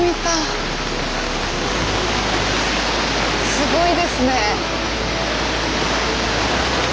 すごいですね。